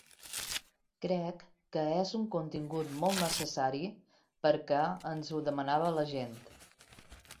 Crec que és un contingut molt necessari perquè ens ho demanava la gent.